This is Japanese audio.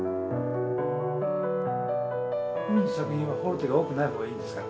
海の作品はフォルテが多くない方がいいんですか？